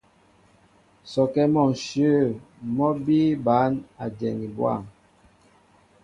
Sɔkɛ́ mɔ ǹshyə̂ mɔ́ bíí bǎn a dyɛni bwâm.